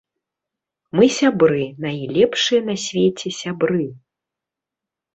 Мы сябры, найлепшыя на свеце сябры.